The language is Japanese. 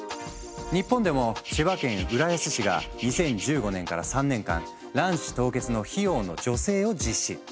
日本でも千葉県浦安市が２０１５年から３年間卵子凍結の費用の助成を実施。